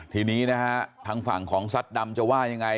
ทีนี้นะฮะทางฝั่งของซัดดำจะว่ายังไง